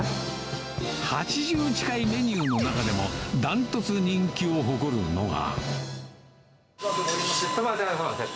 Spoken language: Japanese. ８０近いメニューの中でも、ダントツ人気を誇るのが。